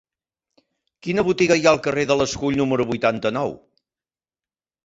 Quina botiga hi ha al carrer de l'Escull número vuitanta-nou?